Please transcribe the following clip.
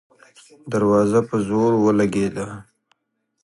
دروازه په زور ولګېده.